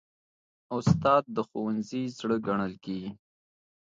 استاد د ښوونځي زړه ګڼل کېږي.